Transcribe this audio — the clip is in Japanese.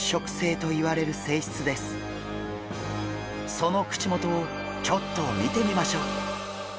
その口元をちょっと見てみましょう。